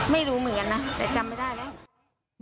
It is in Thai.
ไม่รู้เหมือนกันนะแต่จำไม่ได้แล้ว